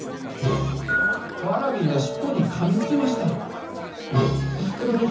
ワラビーの尻尾にかみつきました。